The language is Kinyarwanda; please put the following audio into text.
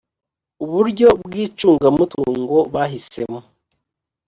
uburyo bw icungamutungo bahisemo